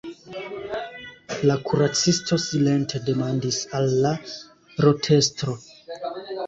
La kuracisto silente demandis al la rotestro.